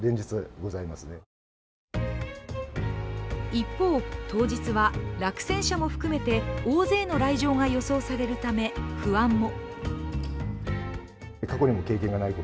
一方、当日は落選者も含めて大勢の来場が予想されるため、不安も。